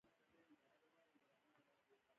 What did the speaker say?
باچا ویل ما یې پهلوانان مات کړي دي.